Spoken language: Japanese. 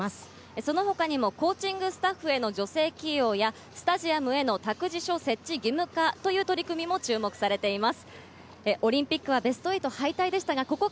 その他にコーチングスタッフへの女性起用やスタジアムへの託児所設置の義務化など取り組みも注目されています。